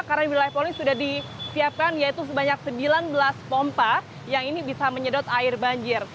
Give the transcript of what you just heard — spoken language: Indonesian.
karena di wilayah porong ini sudah disiapkan yaitu sebanyak sembilan belas pompa yang ini bisa menyedot air banjir